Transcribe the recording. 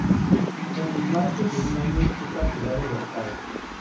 En el margen de un año, fue capturado y ahorcado.